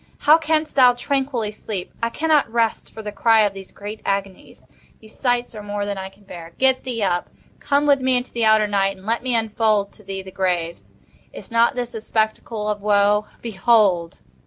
How canst thou tranquilly sleep? I cannot rest for the cry of these great agonies. These sights are more than I can bear. Get thee up! Come with me into the outer Night, and let me unfold to thee the graves. Is not this a spectacle of woe?—Behold!"